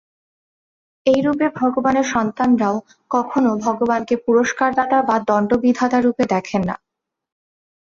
এইরূপে ভগবানের সন্তানরাও কখনও ভগবানকে পুরস্কারদাতা বা দণ্ডবিধাতা-রূপে দেখেন না।